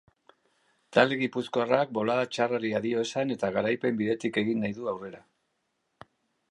Talde gipuzkoarrak bolada txarrari adio esan eta garaipen bidetik egin nahi du aurrera.